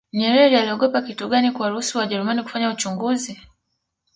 nyerere aliogopa kitu gani kuwaruhusu wajerumani kufanya uchunguzi